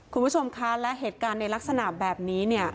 คุณผู้ชมคะและเหตุการณ์ในลักษณะแบบนี้เนี่ย